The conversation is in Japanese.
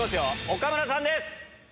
岡村さんです！